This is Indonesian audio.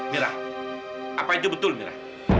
mira apa itu betul mirah